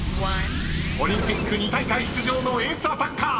［オリンピック２大会出場のエースアタッカー］